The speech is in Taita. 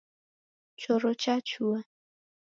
Choro chachua.